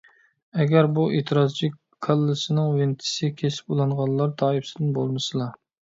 ئەگەر بۇ ئېتىرازچى كاللىسىنىڭ ۋېنتىسى كېسىپ ئۇلانغانلار تائىپىسىدىن بولمىسىلا ...